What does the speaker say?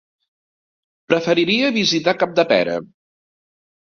Preferiria visitar Capdepera.